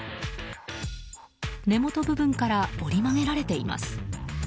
根元部分から折り曲げられています。